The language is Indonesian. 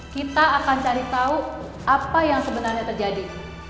kita akan cari tahu apa yang sebenarnya terjadi